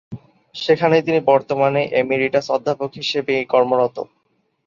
সেখানেই তিনি বর্তমানে এমেরিটাস অধ্যাপক হিসেবে কর্মরত।